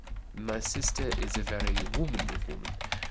"My sister is a very womanly woman.